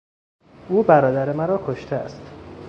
او برادر مرا کشته است.